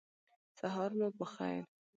سهار مو پخیر